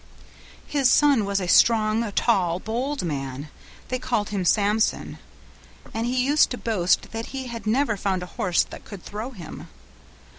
His son was a strong, tall, bold man; they called him Samson, and he used to boast that he had never found a horse that could throw him.